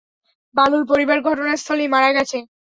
বালুর পরিবার ঘটনাস্থলেই মারা গেছে।